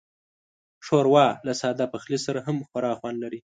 ښوروا له ساده پخلي سره هم خورا خوند لري.